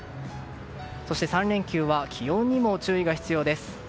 そして３連休は気温にも注意が必要です。